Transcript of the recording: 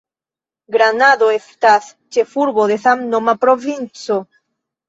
Granado estas ĉefurbo de samnoma provinco.